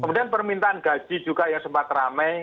kemudian permintaan gaji juga yang sempat rame